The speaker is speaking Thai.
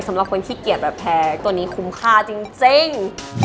สำหรับคนขี้เกียจแบบแพ้ตัวนี้คุ้มค่าจริง